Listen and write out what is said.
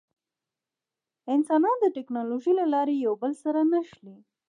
انسانان د ټکنالوجۍ له لارې یو بل سره نښلي.